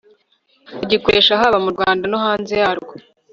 bagikoresha, haba mu rwanda no hanze yarwo